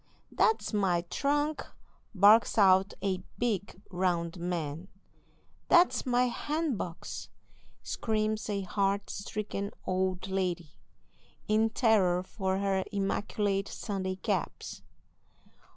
"That's my trunk!" barks out a big, round man. "That's my bandbox!" screams a heart stricken old lady, in terror for her immaculate Sunday caps.